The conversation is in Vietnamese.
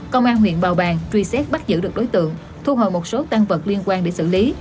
công an huyện bào bàng truy xét bắt giữ được đối tượng thu hồi một số tăng vật liên quan để xử lý